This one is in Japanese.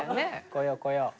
来よう来よう。